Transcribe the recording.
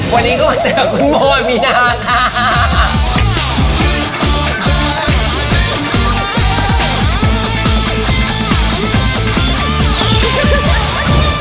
วันนี้ก็มาเจอคุณโมอามีนาค่ะ